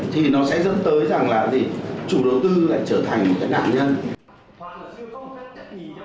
thì nó sẽ dẫn tới rằng là chủ đầu tư lại trở thành một cái nạn nhân